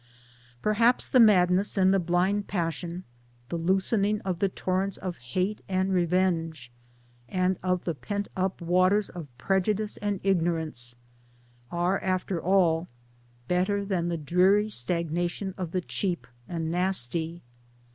Perhaps the madness and the blind passion the loosening of the torrents of hate and revenge, and of the pent up waters of prejudice and ignorance are, after all, better than the dreary stagnation of the cheap and nasty.